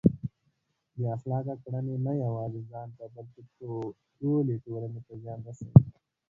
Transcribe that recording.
بې اخلاقه کړنې نه یوازې ځان ته بلکه ټولې ټولنې ته زیان رسوي.